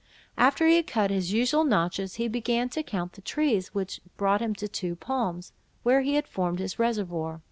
After he had cut his usual notches, he began to count the trees, which brought him to two palms, where he had formed his reservoir.